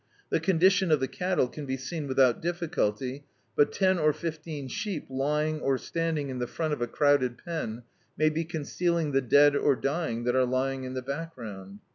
The condition of the cattle can be seen without difficulty, but ten or fifteen sheep lying or standing in the front of a crowded pen, may be cmcealing the dead or dying that are lying in the bacl^round.